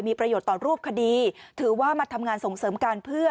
มีประโยชน์ต่อรูปคดีถือว่ามาทำงานส่งเสริมการเพื่อ